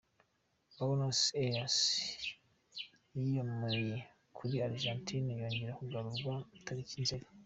Buenos Aires yiyomoye kuri Argentine yongera kugarurwa tariki Nzeli .